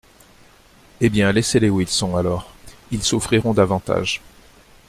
Eh bien ! laisse-les où ils sont, alors ; ils souffriront davantage.